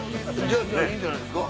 じゃあいいんじゃないですか？